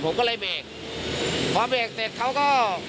ผมก็เลยเบรกพอเบรกเสร็จเขาก็